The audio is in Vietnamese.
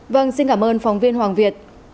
vâng xin cảm ơn phóng viên hoàng việt